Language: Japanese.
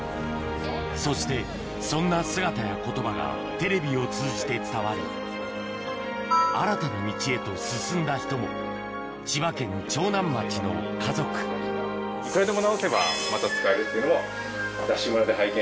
そしてそんな姿や言葉がテレビを通じて伝わり新たな道へと進んだ人も千葉県長南町の家族いくらでも。